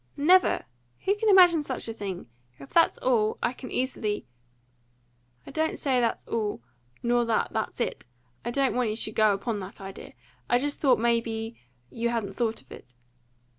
"NEVER! Who could imagine such a thing? If that's all, I can easily." "I don't say that's all, nor that that's it. I don't want you should go upon that idea. I just thought, may be you hadn't thought of it."